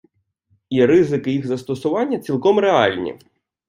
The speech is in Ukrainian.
І ризики їх застосування цілком реальні.